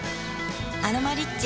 「アロマリッチ」